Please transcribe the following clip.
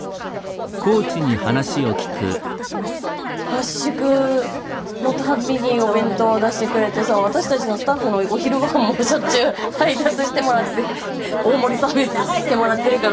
合宿のたんびにお弁当を出してくれて私たちのスタッフのお昼御飯もしょっちゅう配達してもらって大盛りサービスしてもらってるから。